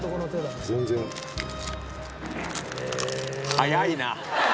早いな。